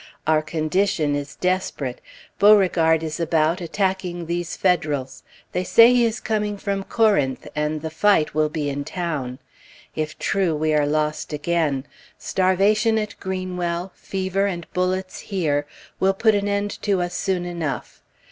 Our condition is desperate. Beauregard is about attacking these Federals. They say he is coming from Corinth, and the fight will be in town. If true, we are lost again. Starvation at Greenwell, fever and bullets here, will put an end to us soon enough.